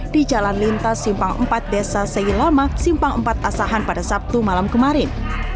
di jalan lintas simpang empat desa seilama simpang empat asahan pada sabtu malam kemarin